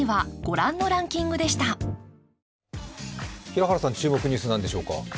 平原さん、注目ニュースは何でしょうか。